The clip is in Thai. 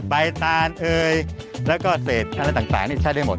ใบตาลเอยแล้วก็เศษท่าและต่างใช้ได้หมด